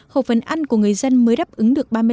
khẩu phần ăn của người dân mới đáp ứng được